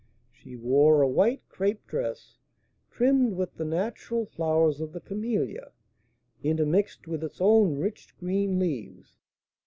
She wore a white crape dress, trimmed with the natural flowers of the camellia, intermixed with its own rich green leaves.